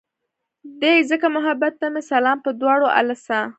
دے ځکه محبت ته مې سالم پۀ دواړه السه